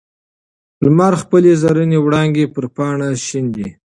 لمر خپلې زرینې وړانګې پر پاڼه شیندي.